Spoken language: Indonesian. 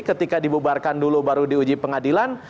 ketika dibubarkan dulu baru diuji pengadilan